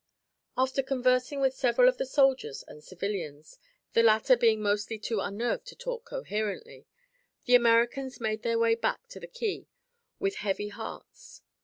After conversing with several of the soldiers and civilians the latter being mostly too unnerved to talk coherently the Americans made their way back to the quay with heavy hearts.